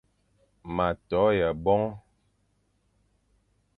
Ma to yʼaboñ,